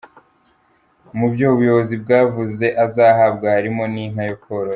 Mu byo ubuyobozi bwavuze azahabwa harimo n’inka yo korora.